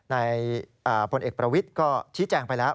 พลเอกประวิทย์ก็ชี้แจงไปแล้ว